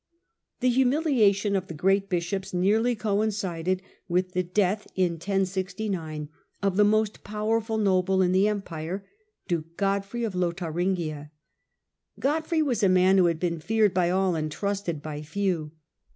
The humiliation of the great bishops nearly coin cided with the death of the most powerful noble in the i^thof Empire, duke Godfrey of Lotharingia. God Godfrey, frey was a man who had been feared by all 1069 and trusted by few.